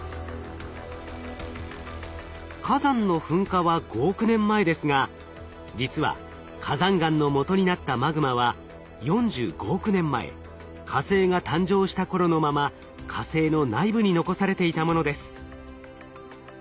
火山の噴火は５億年前ですが実は火山岩のもとになったマグマは４５億年前火星が誕生した頃のまま火星の内部に残されていたものです。